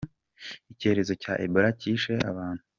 Icyorezo cya Ebola kishe abantu